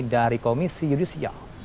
dari komisi judisial